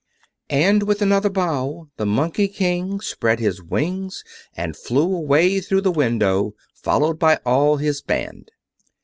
And with another bow, the Monkey King spread his wings and flew away through the window, followed by all his band.